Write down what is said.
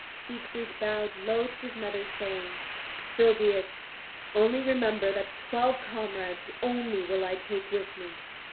Siegfried bowed low to his mother, saying: "So be it; only remember that twelve comrades only will I take with me."